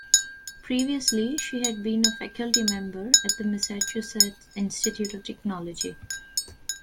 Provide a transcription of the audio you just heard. Previously she had been a faculty member at the Massachusetts Institute of Technology.